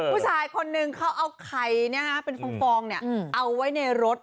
ผู้ชายคนนึงเขาเอาไข่เป็นฟองเอาไว้ในรถ